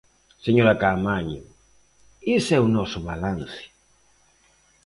Señora Caamaño, ese é o noso balance.